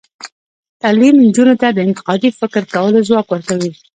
تعلیم نجونو ته د انتقادي فکر کولو ځواک ورکوي.